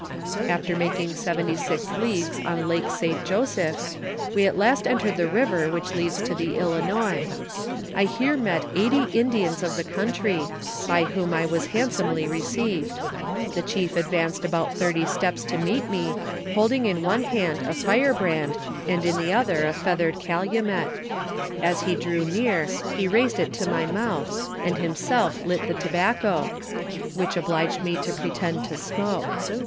After making seventy six leagues on Lake St. Joseph, we at last entered the river which leads to the Ilinois. I here met eighty Indians of the country, by whom I was hand somely received. The chief advanced about thirty steps to meet me, holding in one hand a firebrand and in the other a hered calumet. As he drew near, he raised it to my m. . h, and himself lit ti ^obacco, which obliged me to pre tend to smoke.